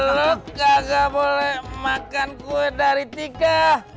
lo gak boleh makan kue dari tiga